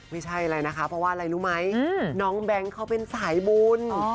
ไม่ใช่อะไรนะคะเพราะว่าอะไรรู้ไหมน้องแบงค์เขาเป็นสายบุญ